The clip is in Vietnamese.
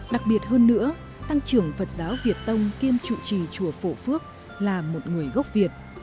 đặc biệt hơn nữa tăng trưởng phật giáo việt tông kiêm chủ trì chùa phổ phước là một người gốc việt